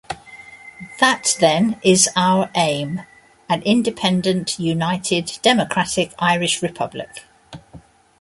That then is our aim: an independent, united, democratic Irish Republic.